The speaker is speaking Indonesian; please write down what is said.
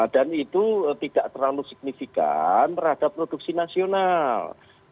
dan itu tidak terlalu signifikan terhadap produksi nasional